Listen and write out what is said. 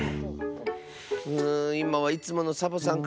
うんいまはいつものサボさんか。